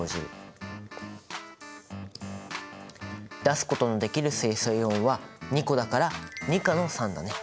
出すことのできる水素イオンは２個だから２価の酸だね。